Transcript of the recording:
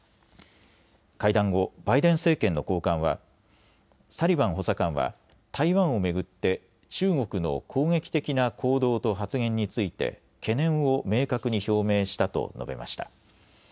会談後、バイデン政権の高官はサリバン補佐官は台湾を巡って中国の攻撃的な行動と発言について懸念を明確に表明したと述べました。